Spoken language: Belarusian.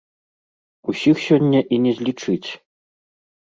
Усіх сёння і не злічыць.